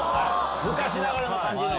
昔ながらの感じの。